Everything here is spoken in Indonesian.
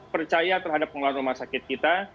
percaya terhadap pengelolaan rumah sakit kita